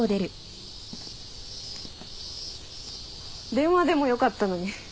電話でもよかったのに。